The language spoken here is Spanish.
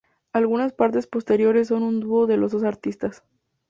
Algunas partes posteriores son un dúo de los dos artistas.